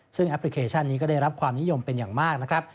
ซึ่งแอปพลิเคชันนี้ก็ได้รับความนิยมเป็นอย่างมากนะครับ